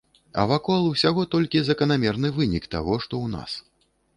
А вакол усяго толькі заканамерны вынік таго, што ў нас.